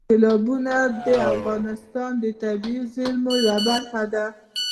سیلابونه د افغانستان د طبیعي زیرمو یوه برخه ده.